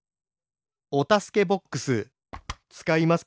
おたすけボックスつかいますか？